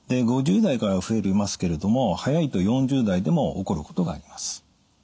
５０代から増えますけれども早いと４０代でも起こることがあります。